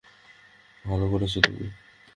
ভালো করেছো তুমি।